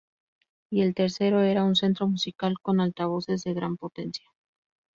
Y el tercero era un centro musical con altavoces de gran potencia.